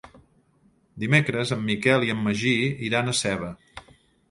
Dimecres en Miquel i en Magí iran a Seva.